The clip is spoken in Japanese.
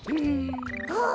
ああ！